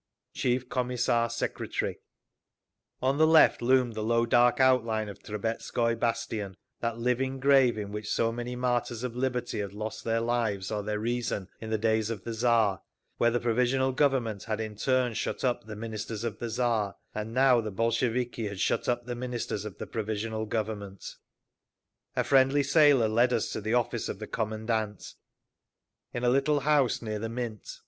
Chief Commissar Secretary On the left loomed the low dark outline of Trubetskoi Bastion, that living grave in which so many martyrs of liberty had lost their lives or their reason in the days of the Tsar, where the Provisional Government had in turn shut up the Ministers of the Tsar, and now the Bolsheviki had shut up the Ministers of the Provisional Government. A friendly sailor led us to the office of the commandant, in a little house near the Mint.